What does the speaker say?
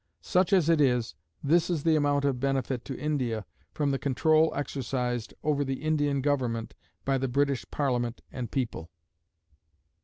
Such as it is, this is the amount of benefit to India from the control exercised over the Indian government by the British Parliament and people.